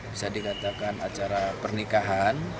bisa dikatakan acara pernikahan